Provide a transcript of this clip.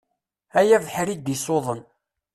Ay abeḥri i d-isuḍen.